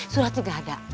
suratnya gak ada